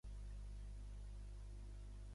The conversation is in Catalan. El centre administratiu del comtat és Milbank.